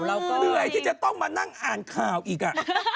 เหนื่อยที่จะต้องมานั่งอ่านข่าวอีก